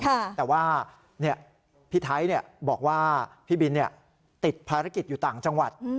แต่ว่าพี่ไทยบอกว่าพี่บินติดภารกิจอยู่ต่างจังหวัด